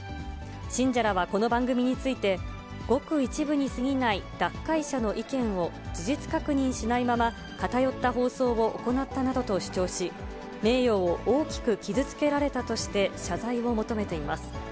信者らはこの番組について、ごく一部にすぎない脱会者の意見を事実確認しないまま、偏った放送を行ったなどと主張し、名誉を大きく傷つけられたとして謝罪を求めています。